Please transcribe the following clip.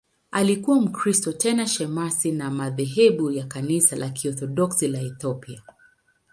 Alikuwa Mkristo, tena shemasi wa madhehebu ya Kanisa la Kiorthodoksi la Ethiopia.